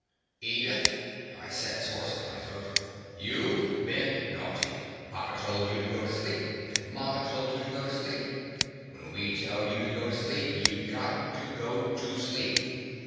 "Edith," I says, hoarse in my throat, "you 've been naughty. Papa told you to go to sleep, and mama told you to go to sleep. When we tell you to go to sleep, you 've got to go to sleep.